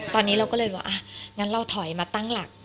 ตอนนี้เราก็เลยบอกอ่ะงั้นเราถอยมาตั้งหลัก